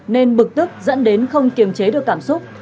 nên bực tức dẫn đến không kiềm chế được cảm xúc